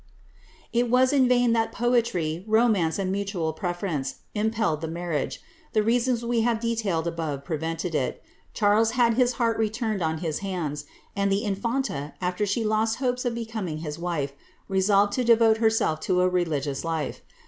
'' It was in Tain that poetry, romance, and mutual preference impelled the marriage ; the reasons we have detailed above prevented it Charles had his hourt returned on his hands; and the infanta, after she lost hopes of becoming hia wife, resolved to devote herself to a religious life.